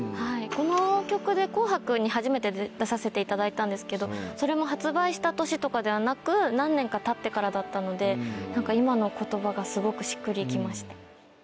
この曲で『紅白』に初めて出させていただいたんですけどそれも発売した年とかではなく何年かたってからだったので今の言葉がすごくしっくり来ました。